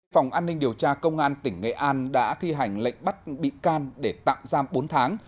phòng an ninh điều tra công an tỉnh nghệ an đã thi hành lệnh bắt bị can để tạm giam bốn tháng